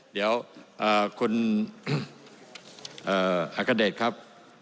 เดี๋ยวเอากระเด็ดครับ